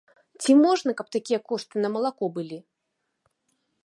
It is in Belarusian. Ці можна, каб такія кошты на малако былі?